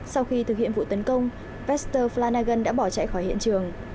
sau khi thực hiện vụ tấn công vester flanagan đã bỏ chạy khỏi hiện trường